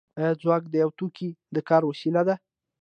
آیا ځواک د یو توکي د کار وسیله ده